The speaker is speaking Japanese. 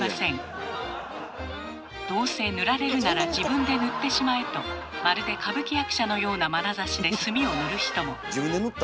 どうせ塗られるなら自分で塗ってしまえとまるで歌舞伎役者のようなまなざしで炭を塗る人も。